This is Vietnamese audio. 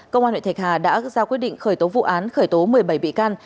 công an huyện thạch hà đã ra quyết định khởi tố vụ án khởi tố một mươi bảy bị can